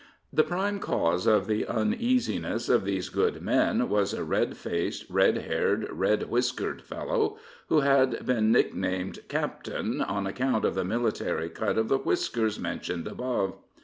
The prime cause of the uneasiness of these good men was a red faced, red haired, red whiskered fellow, who had been nicknamed "Captain," on account of the military cut of the whiskers mentioned above.